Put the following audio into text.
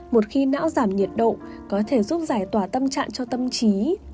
một khi não giảm nhiệt độ có thể giúp giải tỏa tâm trạng cho tâm trí